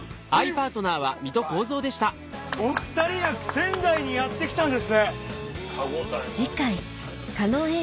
お２人が仙台にやって来たんですね。